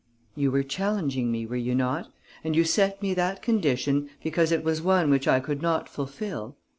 "You were challenging me, were you not, and you set me that condition because it was one which I could not fulfil?